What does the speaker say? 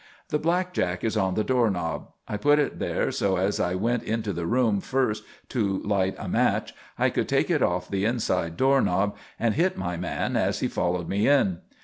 The blackjack is on the door knob. I put it there so as I went into the room first to light a match I could take it off the inside door knob and hit my man as he followed me in.